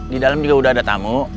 di dalam juga udah ada tamu